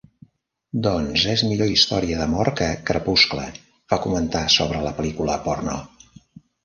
"Doncs és millor història d'amor que Crepuscle", va comentar sobre la pel·lícula porno.